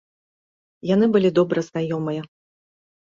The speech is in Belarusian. Яны былі добра знаёмыя.